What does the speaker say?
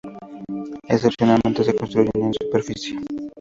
Excepcionalmente, se construyen en superficie.